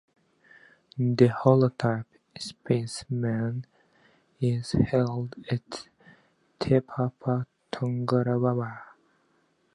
The holotype specimen is held at Te Papa Tongarewa.